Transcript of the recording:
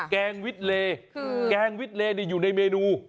แกงวิทเลแกงวิทเลอยู่ในเมนู